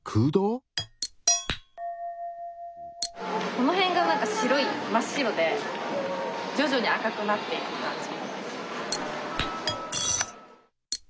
この辺が白い真っ白でじょじょに赤くなっていく感じ。